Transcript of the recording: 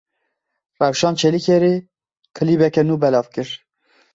Rewşan Çelîkerê klîbeke nû belav kir.